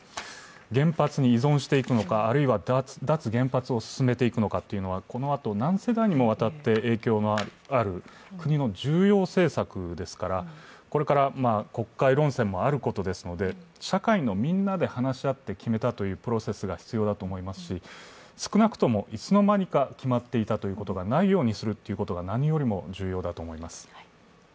原発に依存していくのかあるいは脱原発を進めていくのかというのは、このあと何世代にもわたって影響がある国の重要政策ですから、これから国会論戦もあることですので、社会のみんなで話し合って決めたというプロセスが必要だと思いますし、少なくともいつの間にか決まっていたということがないようにするということが何よりも重要だと思います。